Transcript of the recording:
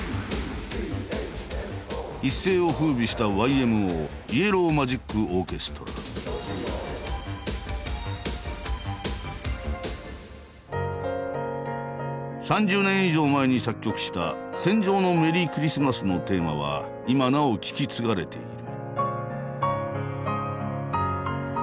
一世を風靡した３０年以上前に作曲した「戦場のメリークリスマス」のテーマは今なお聴き継がれている。